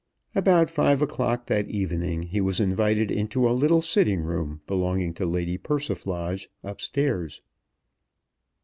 About five o'clock that evening he was invited into a little sitting room belonging to Lady Persiflage up stairs.